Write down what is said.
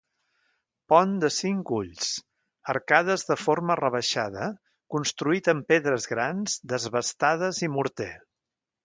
Pont de cinc ulls; arcades de forma rebaixada, construït amb pedres grans, desbastades i morter.